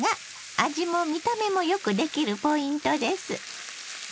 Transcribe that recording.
味も見た目もよくできるポイントです。